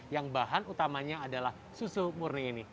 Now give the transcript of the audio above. yang bahan utamanya adalah susu murni ini